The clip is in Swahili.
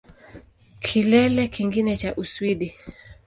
Kilele kingine cha Uswidi